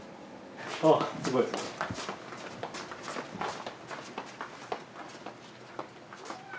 ああすごいすごい。